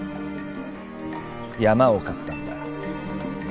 山を買ったんだ。